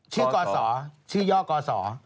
ชื่อกอสอชื่อย่อกอสอ